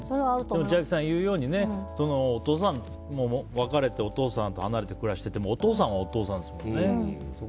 でも、千秋さんが言うように別れて、お父さんと離れて暮らしていてもお父さんはお父さんですからね。